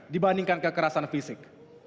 dibandingkan kekerasan fisik